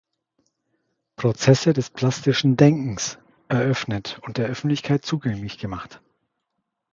Prozesse des plastischen Denkens" eröffnet und der Öffentlichkeit zugänglich gemacht.